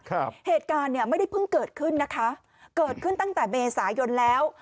เหตุการณ์เนี่ยไม่ได้เพิ่งเกิดขึ้นนะคะเกิดขึ้นตั้งแต่เมษายนแล้ว